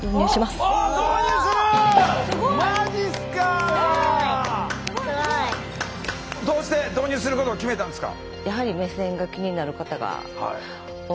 すごいすごい。どうして導入することを決めたんですか？